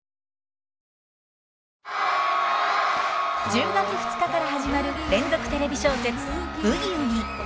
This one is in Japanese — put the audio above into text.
１０月２日から始まる連続テレビ小説「ブギウギ」。